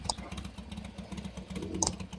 En raras ocasiones puede presentarse hepatitis.